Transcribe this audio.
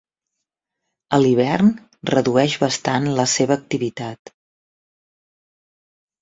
A l'hivern redueix bastant la seva activitat.